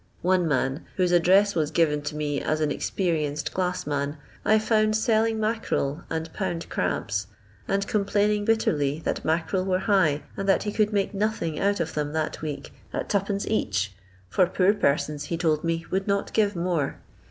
One man, whose address was given to me as an experienced glass man, I found selling mackarel and "pound crabs," and complaining bitterly that mackarel were high, and that he could make nothing out of them that week at 2d, each, for poor persons, he told me, would not give more.